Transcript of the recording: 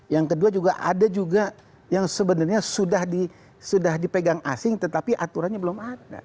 yang kedua juga ada juga yang sebenarnya sudah dipegang asing tetapi aturannya belum ada